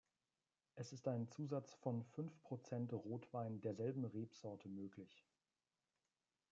Es ist ein Zusatz von fünf Prozent Rotwein derselben Rebsorte möglich.